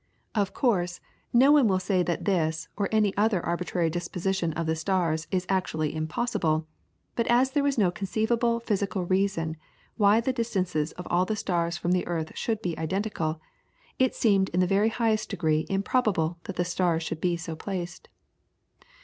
Of course, no one will say that this or any other arbitrary disposition of the stars is actually impossible, but as there was no conceivable physical reason why the distances of all the stars from the earth should be identical, it seemed in the very highest degree improbable that the stars should be so placed.